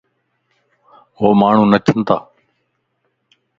ووماڻھو نچن تا